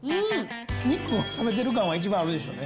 お肉の焦げてる感、一番あるでしょうね。